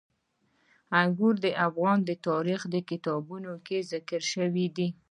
انګور د افغان تاریخ په کتابونو کې ذکر شوی دي.